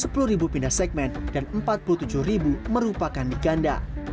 sepuluh pindah segmen dan empat puluh tujuh merupakan nik ganda